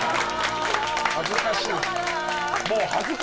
恥ずかしいな。